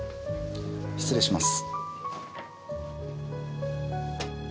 失礼します。